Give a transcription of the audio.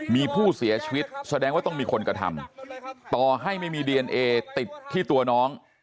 มีผู้เสียชีวิตแสดงว่าต้องมีคนกระทำต่อให้ไม่มีดีเอนเอติดที่ตัวน้อง